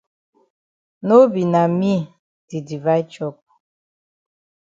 No be na me di divide chop.